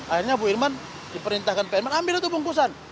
akhirnya bu irman diperintahkan pak irman ambil itu bungkusan